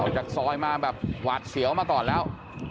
เอาจากซอยมากวาดเสียวมาก่อนแล้ว